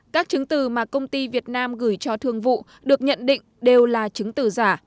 các chứng từ mà công ty việt nam gửi cho thương vụ được nhận định đều là chứng từ giả